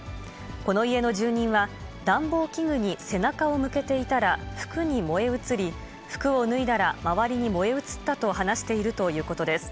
この家の住人は、暖房器具に背中を向けていたら、服に燃え移り、服を脱いだら周りに燃え移ったと話しているということです。